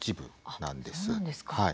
そうなんですか。